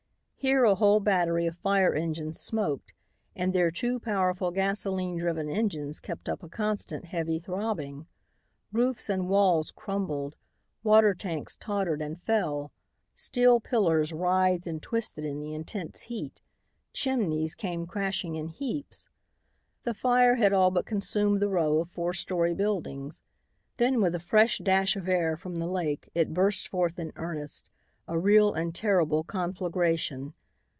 Here a whole battery of fire engines smoked and there two powerful gasoline driven engines kept up a constant heavy throbbing. Roofs and walls crumbled, water tanks tottered and fell, steel pillars writhed and twisted in the intense heat, chimneys came crashing in heaps. The fire had all but consumed the row of four story buildings. Then with a fresh dash of air from the lake it burst forth in earnest, a real and terrible conflagration.